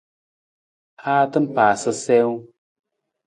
Haata paasa siwung.